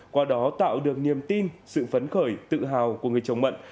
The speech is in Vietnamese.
qua đó tạo được niềm tin sự phấn khởi tự hào của người chồng mận